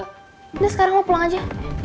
ini sekarang lo pulang aja